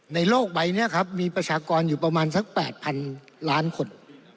โลกใบนี้ครับมีประชากรอยู่ประมาณสัก๘๐๐๐ล้านคน